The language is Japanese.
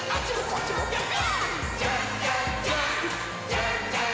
じゃんじゃん！